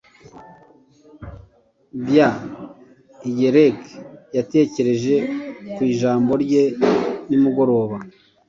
Bya Higelac yatekereje ku ijambo rye nimugoroba